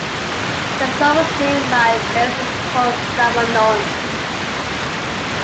The song was named by bassist Paul Simonon.